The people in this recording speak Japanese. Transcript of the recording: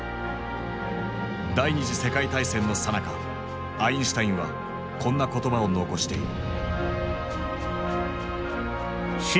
第二次世界大戦のさなかアインシュタインはこんな言葉を残している。